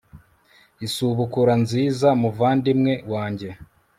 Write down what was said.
isubukura nziza muvandimwe wange